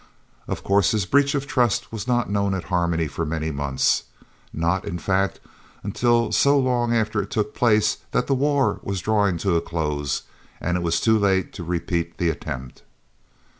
Of course this breach of trust was not known at Harmony for many months not, in fact, until so long after it took place that the war was drawing to a close, and it was too late to repeat the attempt.